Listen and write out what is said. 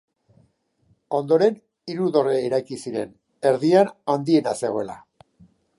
Ondoren hiru dorre eraiki ziren, erdian handiena zegoela.